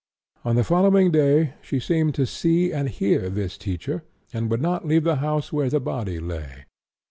On the following day she seemed to see and hear this teacher, and would not leave the house where the body lay.